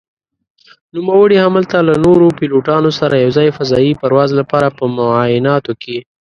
نوموړي هملته له نورو پيلوټانو سره يو ځاى فضايي پرواز لپاره په معايناتو کې